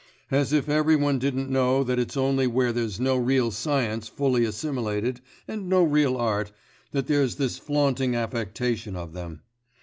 As if every one didn't know that it's only where there's no real science fully assimilated, and no real art, that there's this flaunting affectation of them.